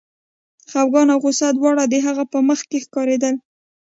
خپګان او غوسه دواړه د هغه په مخ کې ښکارېدل